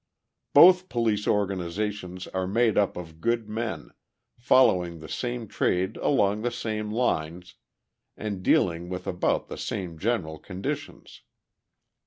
Both police organizations are made up of good men, following the same trade along the same lines, and dealing with about the same general conditions.